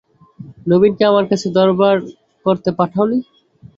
নবীনকে আমার কাছে দরবার করতে পাঠাও নি?